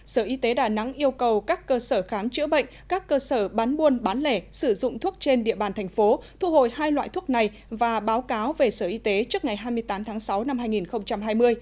sở y tế đà nẵng yêu cầu các cơ sở khám chữa bệnh các cơ sở bán buôn bán lẻ sử dụng thuốc trên địa bàn thành phố thu hồi hai loại thuốc này và báo cáo về sở y tế trước ngày hai mươi tám tháng sáu năm hai nghìn hai mươi